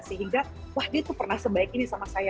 sehingga wah dia tuh pernah sebaik ini sama saya